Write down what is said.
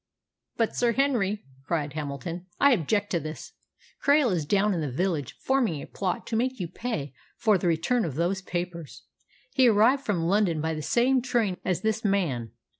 "But, Sir Henry," cried Hamilton, "I object to this! Krail is down in the village forming a plot to make you pay for the return of those papers. He arrived from London by the same train as this man.